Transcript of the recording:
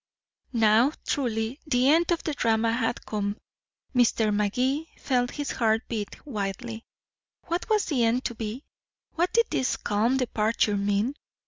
Now, truly, the end of the drama had come. Mr. Magee felt his heart beat wildly. What was the end to be? What did this calm departure mean?